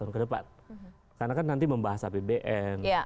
karena kan nanti membahas apbn